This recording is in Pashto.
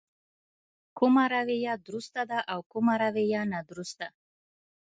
کومه رويه درسته ده او کومه رويه نادرسته.